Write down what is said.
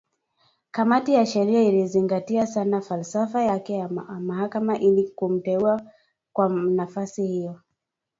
Kamati ya sheria ikizingatia sana falsafa yake ya mahakama, ili kumteua kwa nafasi hiyo.